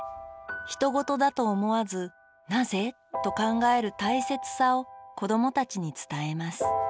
ひと事だと思わずなぜ？と考える大切さを子どもたちに伝えます